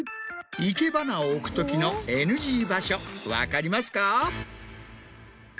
生け花を置くときのＮＧ場所分かりますか？